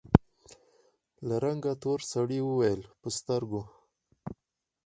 له رنګه تور سړي وويل: په سترګو!